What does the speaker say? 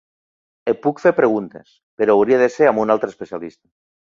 Et puc fer preguntes, però hauria de ser amb un altre especialista.